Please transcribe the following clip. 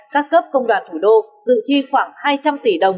các cấp công đoàn thủ đô dự chi khoảng hai trăm linh tỷ đồng